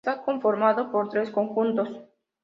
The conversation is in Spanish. Está conformado por tres conjuntos.